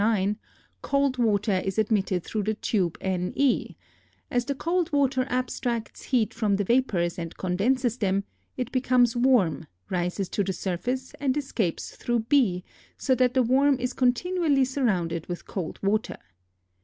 9), cold water is admitted through the tube ne; as the cold water abstracts heat from the vapors and condenses them, it becomes warm, rises to the surface, and escapes through b, so that the worm is continually surrounded with cold water.